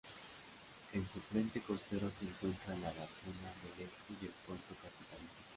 En su frente costero se encuentra la Dársena del Este del puerto capitalino.